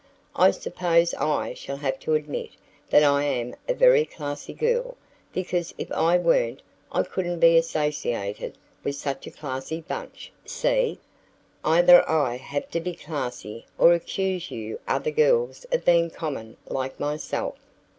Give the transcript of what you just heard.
I suppose I shall have to admit that I am a very classy girl, because if I weren't, I couldn't be associated with such a classy bunch see? Either I have to be classy or accuse you other girls of being common like myself."